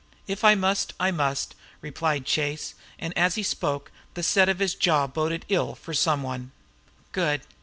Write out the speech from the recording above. If I must I must," replied Chase, and as he spoke the set of his jaw boded ill to some one. "Good.